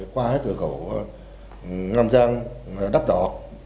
qua hết từ cầu nam giang đắp đỏ